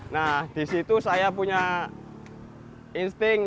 nah di situ saya punya insting